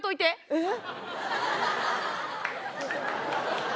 えっ。